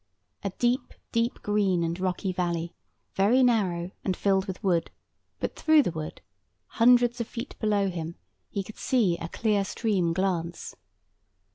A deep, deep green and rocky valley, very narrow, and filled with wood; but through the wood, hundreds of feet below him, he could see a clear stream glance.